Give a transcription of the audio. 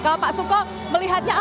kalau pak sukop melihatnya ini pak